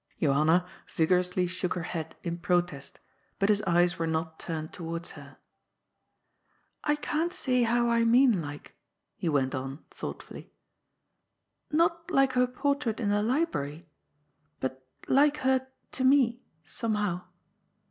Johanna vigorously shook her head in protest, but his eyes were not turned towards her. " I can't say how I mean like," he went on thought fully, *' not like her portrait in the library, but like her to me, somehow.